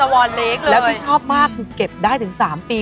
วอนเล็กเลยแล้วที่ชอบมากคือเก็บได้ถึง๓ปี